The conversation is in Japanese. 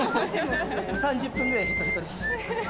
３０分ぐらいでへとへとです。